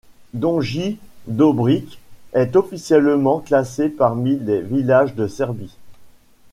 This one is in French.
Donji Dobrić est officiellement classé parmi les villages de Serbie.